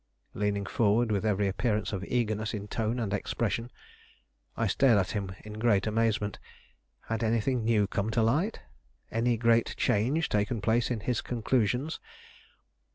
leaning forward with every appearance of eagerness in tone and expression. I stared at him in great amazement. Had anything new come to light? any great change taken place in his conclusions?